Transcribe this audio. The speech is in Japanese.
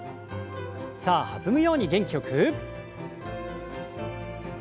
さあ弾むように元気よく。